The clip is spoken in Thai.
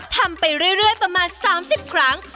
ทำไปเรื่อยประมาณ๓๐ครั้ง